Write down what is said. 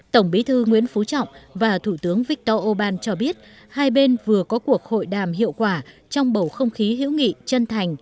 tổng bí thư nguyễn phú trọng và thủ tướng viktor orbán cho biết hai bên vừa có cuộc hội đàm hiệu quả trong bầu không khí hữu nghị chân thành